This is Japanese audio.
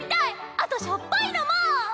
あとしょっぱいのも！